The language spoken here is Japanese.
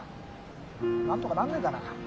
何とかなんねえかな